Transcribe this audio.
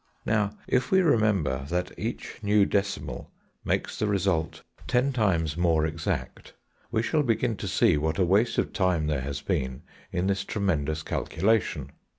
Now, if we remember that each new decimal makes the result ten times more exact, we shall begin to see what a waste of time there has been in this tremendous calculation.